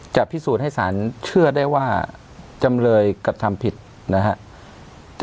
จะพิสูจน์ให้สารเชื่อได้ว่าจำเลยกระทำผิดนะครับ